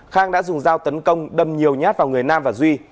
khang đã dùng dao tấn công đâm nhiều nhát vào người nam và duy